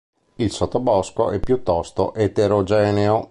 Il sottobosco è piuttosto eterogeneo.